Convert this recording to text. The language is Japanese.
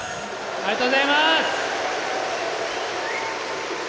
ありがとうございます！